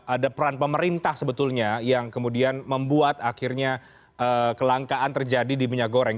ada peran pemerintah sebetulnya yang kemudian membuat akhirnya kelangkaan terjadi di minyak goreng